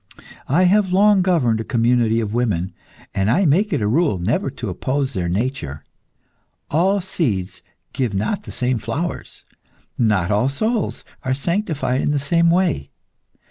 I have long governed a community of women, and I make it a rule never to oppose their nature. All seeds give not the same flowers. Not all souls are sanctified in the same way.